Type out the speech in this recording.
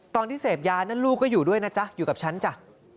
ตอนที่เสพยานั่นลูกก็อยู่ด้วยนะจ๊ะอยู่กับฉันจ้ะ